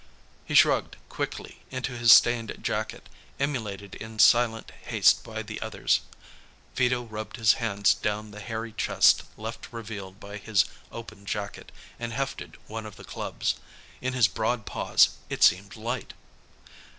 He shrugged quickly into his stained jacket, emulated in silent haste by the others. Vito rubbed his hands down the hairy chest left revealed by his open jacket and hefted one of the clubs. In his broad paws, it seemed light.